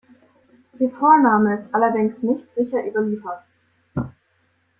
Ihr Vorname ist allerdings nicht sicher überliefert.